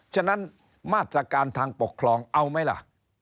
ฉะนั้นมาตรการทางปกครองเอาไหมล่ะ